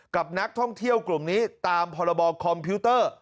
กับนักท่องเที่ยวกลุ่มนี้ตามพรบคอมพิวเตอร์